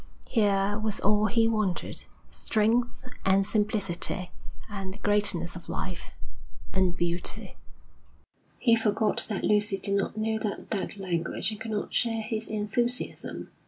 Here was all he wanted, strength and simplicity, and the greatness of life, and beauty. He forgot that Lucy did not know that dead language and could not share his enthusiasm.